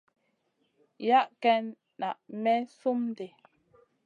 Yah ken na may slum di.